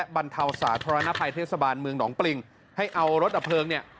บรรเทาสาธารณภัยเทศบาลเมืองหนองปริงให้เอารถดับเพลิงเนี่ย